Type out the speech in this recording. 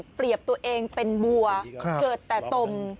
เปรียบตัวเองเป็นบัวเกิดแต่ตม